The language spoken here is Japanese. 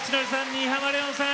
新浜レオンさん